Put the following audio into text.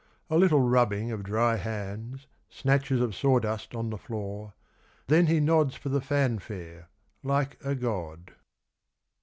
A little rubbing of dry hands, snatches of sawdust on the floor, then he nods for the fanfare like a god.